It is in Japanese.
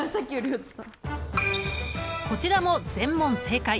こちらも全問正解。